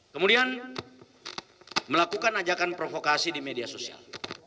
kemudian melakukan ajakan provokasi di media sosial